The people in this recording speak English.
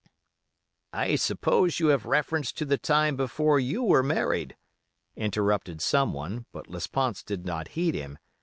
"I suppose you have reference to the time before you were married," interrupted someone, but Lesponts did not heed him.